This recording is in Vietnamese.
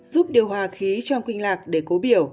giúp điều hòa khí trong kinh lạc để cố biểu